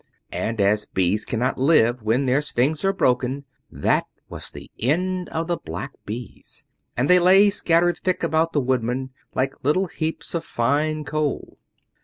And as bees cannot live when their stings are broken that was the end of the black bees, and they lay scattered thick about the Woodman, like little heaps of fine coal.